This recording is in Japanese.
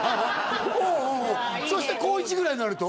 うんうんそして高１ぐらいになると？